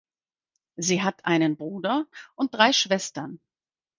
Sie hat einen Bruder und drei Schwestern.